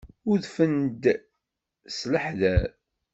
Udfent-d s leḥder.